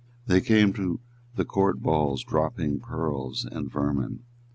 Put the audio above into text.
They came to the court balls dropping pearls and vermin.